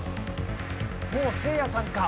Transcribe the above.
もうせいやさんか？